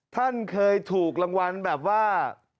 ท่านเคยถูกรางวัลแบบว่า